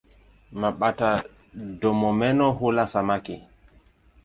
Mabata-domomeno hula samaki.